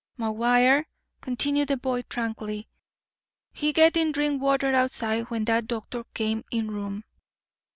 "McGuire," continued the boy tranquilly, "he getting drink water outside when that doctor come in room.